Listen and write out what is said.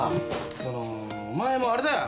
そのお前もあれだよ